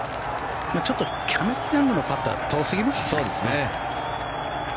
ちょっとキャメロン・ヤングのパットは遠すぎましたね。